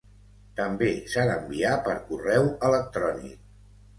També s'ha d'enviar per correu electrònic.